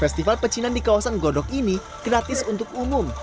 festival pecinan di kawasan godok ini gratis untuk umum